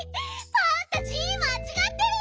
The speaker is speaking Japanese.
パンタ字まちがってる！